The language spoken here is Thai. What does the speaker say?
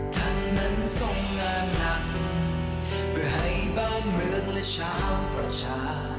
ทั้งนั้นทรงงานหนักเพื่อให้บ้านเมืองและชาวประชา